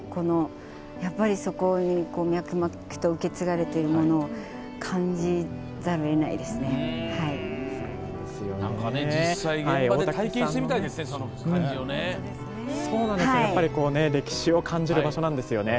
やっぱり、そこに脈々と受け継がれているものを感じざるをえないですね。